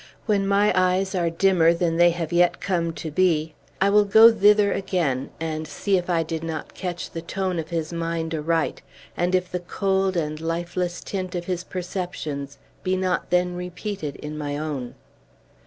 When my eyes are dimmer than they have yet come to be, I will go thither again, and see if I did not catch the tone of his mind aright, and if the cold and lifeless tint of his perceptions be not then repeated in my own.